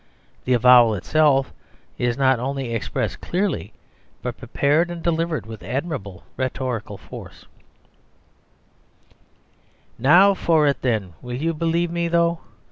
The avowal itself is not only expressed clearly, but prepared and delivered with admirable rhetorical force: "Now for it, then! Will you believe me, though?